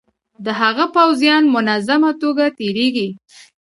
د هغه پوځیان منظمه توګه تیریږي.